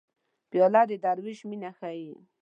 پیاله د دروېش مینه ښيي.